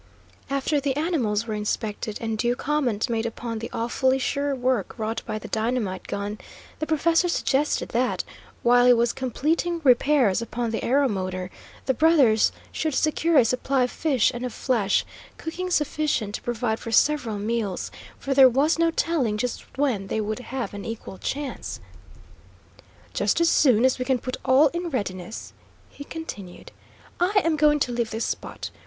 After the animals were inspected, and due comment made upon the awfully sure work wrought by the dynamite gun, the professor suggested that, while he was completing repairs upon the aeromotor, the brothers should secure a supply of fish and of flesh, cooking sufficient to provide for several meals, for there was no telling just when they would have an equal chance. "Just as soon as we can put all in readiness," he continued, "I am going to leave this spot.